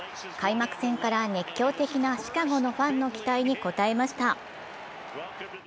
開幕戦から熱狂的なシカゴのファンの期待に応えました。